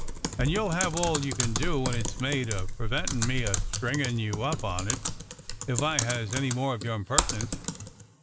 "And you'll have all you can do, when it's made, a preventin' me a stringin' you up on it, if I has any more o' your impert'nence."